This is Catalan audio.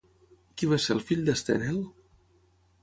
Qui va ser el fill d'Estènel?